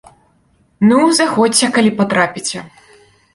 Ну, заходзьце, калі патрапіце.